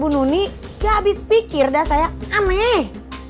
dengan bu nuni dia habis pikir dah saya aneh